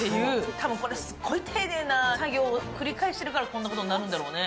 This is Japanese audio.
たぶんこれ、すっごい丁寧な作業を繰り返しているから、こんなことになるんだろうね。